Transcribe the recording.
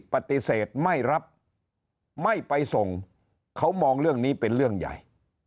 ปฏิเสธไม่รับไม่ไปส่งเขามองเรื่องนี้เป็นเรื่องใหญ่